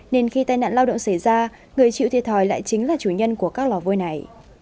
nên khi tai nạn lao động xảy ra người chịu thiệt thòi lại chính là chủ nhân của các lò vôi này